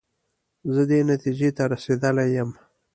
زه دې نتیجې ته رسېدلی یم.